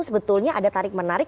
sebetulnya ada tarik menarik